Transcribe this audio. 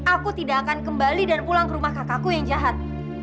aku tidak akan kembali dan pulang ke rumah kakakku yang jahat